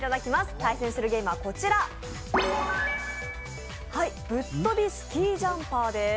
対戦するゲームはこちら、「ぶっ飛びスキージャンパー」です。